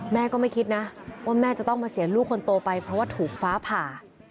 แม่ก็ไม่คิดนะว่าแม่จะต้องมาเสียลูกคนโตไปเพราะว่าถูกฟ้าผ่า